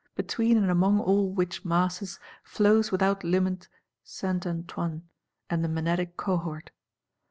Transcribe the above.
Between and among all which masses, flows without limit Saint Antoine, and the Menadic Cohort.